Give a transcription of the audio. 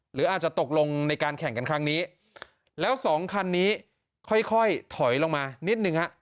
หรืออาจจะตกลงในการแข่งกันครั้งนี้แล้วสองคันนี้ค่อยค่อยถอยลงมานิดนึงฮะ